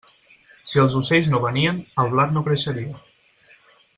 Si els ocells no venien, el blat no creixeria.